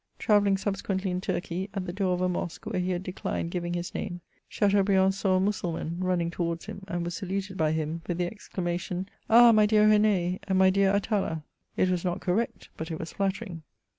Travelling sub sequently in Turkey, at the door of a mosque where he had declined giving his name, Chateaubriand saw a Mussulman running towards him, and was saluted by him with the exclamation, " Ah, my dear IWn^ and my dear Atala !" It was not correct, but it was flattering.